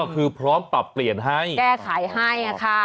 แก้ไขให้